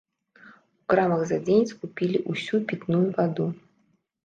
У крамах за дзень скупілі ўсю пітную ваду.